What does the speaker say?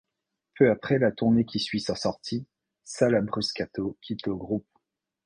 Peu après la tournée qui suit sa sortie, Sal Abruscato quitte le groupe.